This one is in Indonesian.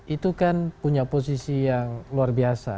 itu kan punya posisi yang luar biasa